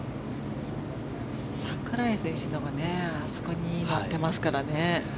櫻井選手のほうがあそこに乗ってますからね。